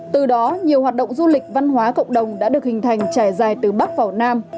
từ đó nhiều hoạt động du lịch văn hóa cộng đồng đã được hình thành trải dài từ bắc vào nam